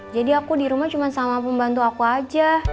jadi aku dirumah cuma sama pembantu aku aja